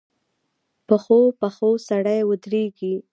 پخو پښو سړی ودرېږي